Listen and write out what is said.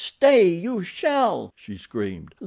"Stay, you shall!" she screamed.